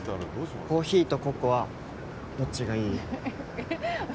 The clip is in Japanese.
コーヒーとココアどっちがいい？